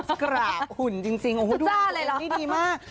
กราบหุ่นจริงโอ้โหดูหน้าอะไรเรานี่ดีมาก